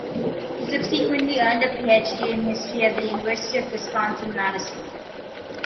He subsequently earned a Ph.D. in history at the University of Wisconsin-Madison.